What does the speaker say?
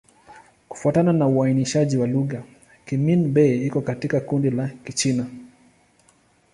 Kufuatana na uainishaji wa lugha, Kimin-Bei iko katika kundi la Kichina.